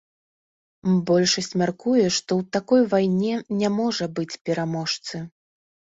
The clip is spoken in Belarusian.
Большасць мяркуе, што ў такой вайне не можа быць пераможцы.